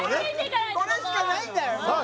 これしかないんだよさあ